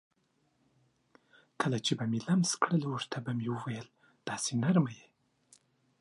کله چې به مې لمس کړل ورته به مې وویل: داسې نرمه یې.